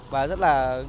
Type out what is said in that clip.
và rất là